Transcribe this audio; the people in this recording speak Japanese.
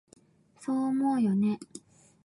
そう思うよね？